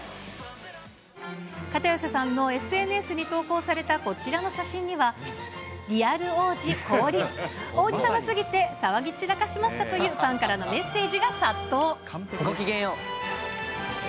片寄さんのＳＮＳに投稿されたこちらの写真には、リアル王子降臨、王子様すぎて騒ぎ散らかしましたというファンかごきげんよう。